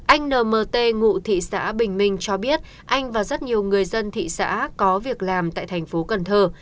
anh nmt ngụ thị xã bình minh cho biết anh và rất nhiều người dân thị xã có việc làm tại thành phố cần thơ